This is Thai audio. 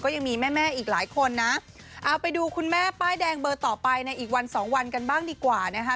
ยังมีแม่แม่อีกหลายคนนะเอาไปดูคุณแม่ป้ายแดงเบอร์ต่อไปในอีกวันสองวันกันบ้างดีกว่านะคะ